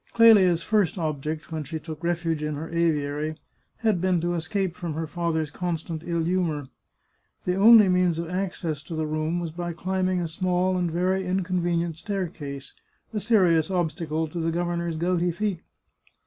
Clelia's first object, when she took refuge in her aviary, had been to escape from her father's constant ill humour. The only means of access to the room was by chmbing a small and very inconvenient staircase, a serious obstacle to the governor's gouty feet.